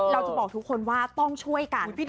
เราจะบอกทุกคนว่าต้องช่วยกัน